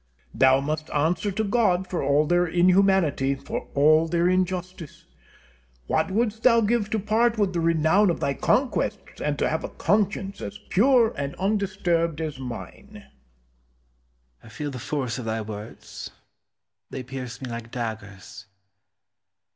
Thou must answer to God for all their inhumanity, for all their injustice. What wouldst thou give to part with the renown of thy conquests, and to have a conscience as pure and undisturbed as mine? Cortez. I feel the force of thy words; they pierce me like daggers.